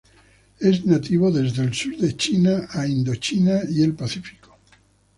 Es nativo del sur de China a Indochina y Pacífico.